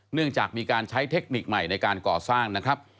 เนื่องจากมีการใช้เทคนิคใหม่ในการก่อสร้างนะครับ